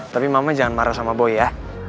tapi mama jangan marah sama boy ya